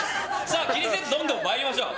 気にせずどんどん参りましょう。